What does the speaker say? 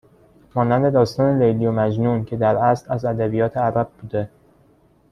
مانند داستان لیلی و مجنون که در اصل از ادبیات عرب بوده